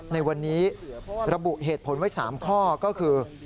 ในวันนี้ระบุเหตุผลไว้๓ข้อก็คือ